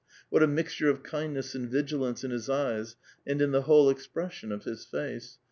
what a mixture of kindness and vigilance iu his eyes and in the whole expression of his face